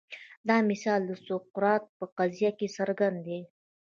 دا مثال د سقراط په قضیه کې څرګند دی.